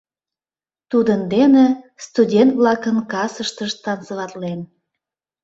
Тудын дене студент-влакын касыштышт танцеватлен...